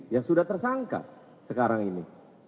yang sudah tersangka sekarang ini